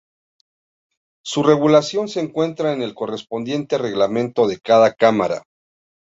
Su regulación se encuentra en el correspondiente reglamento de cada cámara.